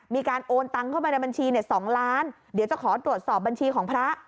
มีการโอนตังเข้าไปในบัญชี๒ล้านเดี๋ยวจะขอตรวจสอบบัญชีของพระ